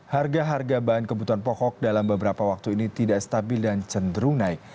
harga harga bahan kebutuhan pokok dalam beberapa waktu ini tidak stabil dan cenderung naik